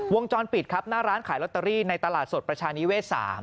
วงจรปิดครับหน้าร้านขายลอตเตอรี่ในตลาดสดประชานิเวศ๓